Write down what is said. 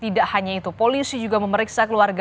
tidak hanya itu polisi juga memeriksa keluarga